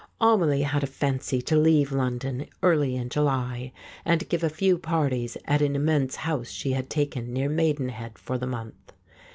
Amelia had a fancy to leave London early in July, and give a few parties at an immense house she had taken near Maidenhead for the month.